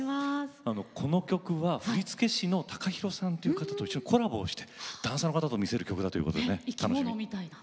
この曲は振付師のＴＡＫＡＨＩＲＯさんという方とコラボをしてダンサーの方と見せる曲だということでね楽しみ。